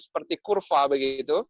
seperti kurva begitu